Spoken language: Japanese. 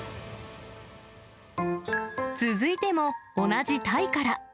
続いても同じタイから。